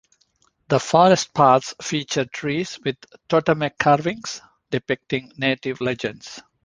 The forest paths feature trees with totemic carvings depicting Native legends.